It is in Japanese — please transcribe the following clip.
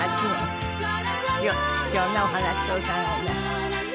すごく貴重なお話を伺います。